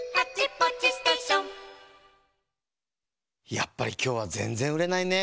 やっぱりきょうはぜんぜんうれないね。